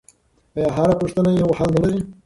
آیا هره پوښتنه یو حل نه لري؟